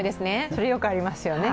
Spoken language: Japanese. それはよくありますよね。